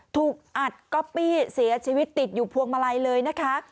ถูกอัดก๊อปปี้เสียชีวิตติดอยู่พวงมาลัยเลยนะคะ